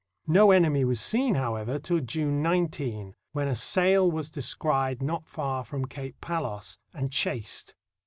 No enemy was seen, however, till June 19, when a sail was descried not far from Cape Palos and chased.